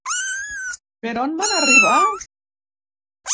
Per on van arribar?